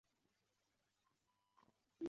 清太祖继妃。